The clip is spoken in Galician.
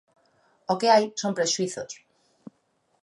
O que hai son prexuízos.